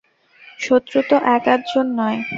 শত্রু তো এক-আধ জন নয়।